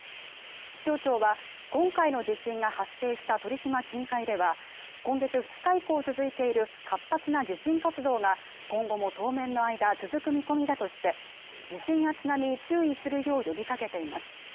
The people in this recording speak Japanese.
気象庁は今回の地震が発生した鳥島近海では今月２日以降続いている活発な地震活動が今後も当面の間続く見込みだとして地震や津波に注意するよう呼びかけています